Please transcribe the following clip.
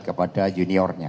untuk mas gibran